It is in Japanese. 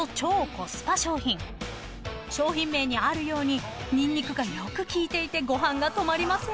［商品名にあるようにニンニクがよく効いていてご飯が止まりません］